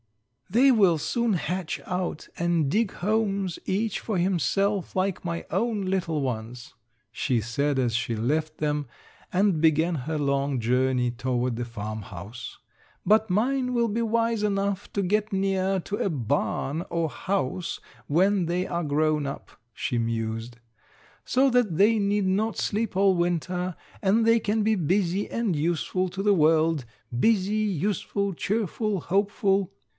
"They will soon hatch out and dig homes each for himself like my own little ones," she said as she left them and began her long journey toward the farmhouse. "But mine will be wise enough to get near to a barn or house when they are grown up," she mused, "so that they need not sleep all winter, and they can be busy and useful to the world busy, useful, cheerful, hopeful."